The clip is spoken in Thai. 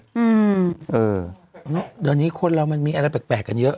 เดี๋ยวนี้คนเรามันมีอะไรแปลกกันเยอะ